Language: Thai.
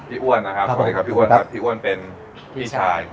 พี่อ้วนนะครับพี่อ้วนเป็นพี่ชาย